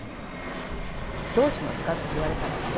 どうしますかって言われたらじゃあ